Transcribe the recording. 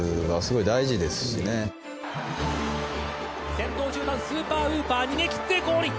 先頭１０番スーパーウーパー逃げ切ってゴールイン！